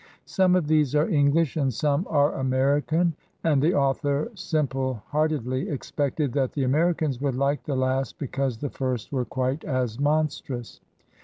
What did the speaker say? Some of these are English and some are Ameri can, and the author simple heartedly expected that the Americans would like the last because the first were quite as monstrous.